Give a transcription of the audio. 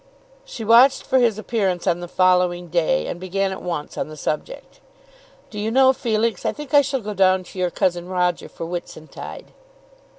She watched for his appearance on the following day, and began at once on the subject. "Do you know, Felix, I think I shall go down to your cousin Roger for Whitsuntide."